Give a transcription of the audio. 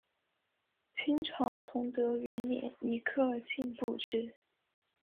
清朝崇德元年以科尔沁部置。